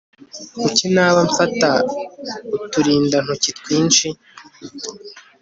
Kuki naba mfata uturindantoki twinshi